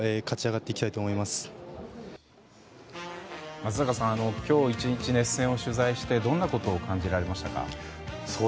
松坂さん、今日１日熱戦を取材してどんなことを感じられましたか。